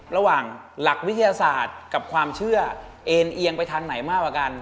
หลักวิทยาศาสตร์กับความเชื่อเอ็นเอียงไปทางไหนมากกว่ากัน